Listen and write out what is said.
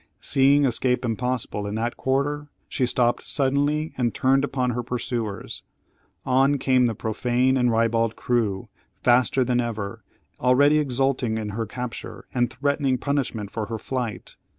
Seeing escape impossible in that quarter, she stopped suddenly, and turned upon her pursuers. On came the profane and ribald crew, faster than ever, already exulting in her capture, and threatening punishment for her flight.